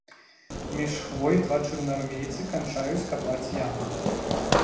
Між хвой два чырвонаармейцы канчаюць капаць яму.